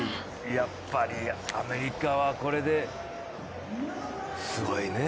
やっぱりアメリカは、これで、すごいね。